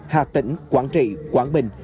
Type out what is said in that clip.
hạ tỉnh quảng trị quảng bình